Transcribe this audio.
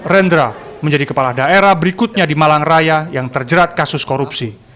rendra menjadi kepala daerah berikutnya di malang raya yang terjerat kasus korupsi